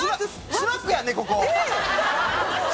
スナックやんね？